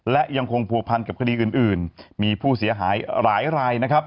และยังคงผัวพันกับคดีอื่นมีผู้เสียหายหลายรายนะครับ